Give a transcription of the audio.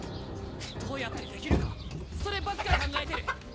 どうやってできるかそればっか考えてる。